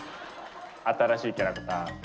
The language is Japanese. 新しいキャラクター。